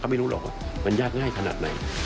ไม่รู้หรอกว่ามันยากง่ายขนาดไหน